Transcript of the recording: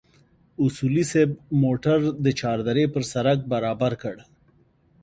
اصولي صیب موټر د چار درې پر سړک برابر کړ.